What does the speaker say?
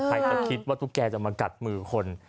ใครจะคิดว่าตุ๊กแกจะมากัดมือคน